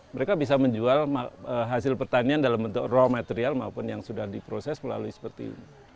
mereka bisa menjual hasil pertanian dalam bentuk raw material maupun yang sudah diproses melalui seperti ini